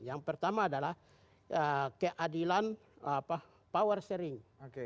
yang pertama adalah keadilan power sharing